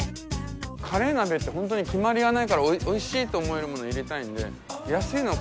カレー鍋って本当に決まりはないからおいしいと思えるものを入れたいんで。